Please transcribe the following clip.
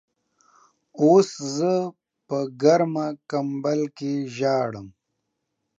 اوس زه په ګرمه کمبل کې ژاړم.